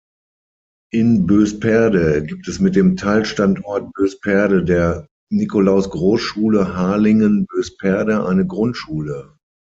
In Bösperde gibt es mit dem Teilstandort Bösperde der „Nikolaus-Groß-Schule Halingen-Bösperde“ eine Grundschule.